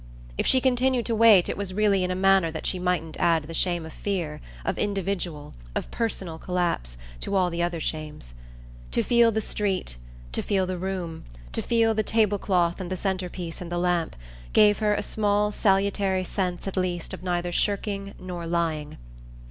If she continued to wait it was really in a manner that she mightn't add the shame of fear, of individual, of personal collapse, to all the other shames. To feel the street, to feel the room, to feel the table cloth and the centre piece and the lamp, gave her a small salutary sense at least of neither shirking nor lying.